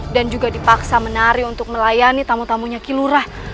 dan juga dipaksa menari untuk melayani tamu tamunya kilurah